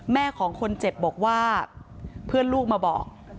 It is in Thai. แม่ของคนเจ็บบอกว่าเพื่อนลูกมาบอก